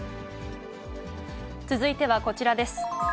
続いてはこちらです。